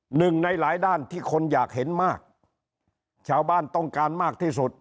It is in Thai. หนึ่งในหลายด้านที่คนอยากเห็นมากชาวบ้านต้องการมากที่สุด